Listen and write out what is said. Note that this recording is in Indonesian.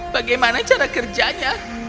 bagaimana cara kerjanya